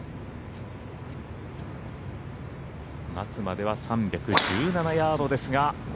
松までは３１７ヤードですが。